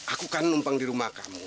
aku kan numpang di rumah kamu